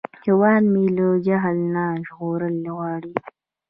هیواد مې له جهل نه ژغورل غواړي